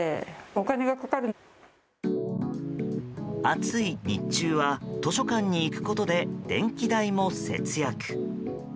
暑い日中は図書館に行くことで電気代も節約。